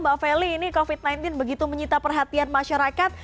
mbak feli ini covid sembilan belas begitu menyita perhatian masyarakat